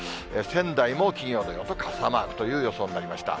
仙台も金曜、土曜と傘マークという予想になりました。